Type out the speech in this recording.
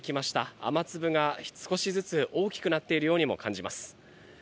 雨粒が少しずつ大きくなっているような気もします。